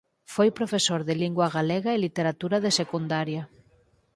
Foi profesor de Lingua galega e Literatura de Secundaria.